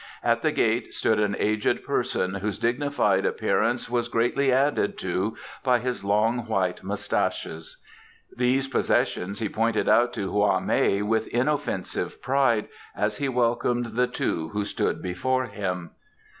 At the gate stood an aged person whose dignified appearance was greatly added to by his long white moustaches. These possessions he pointed out to Hwa mei with inoffensive pride as he welcomed the two who stood before him.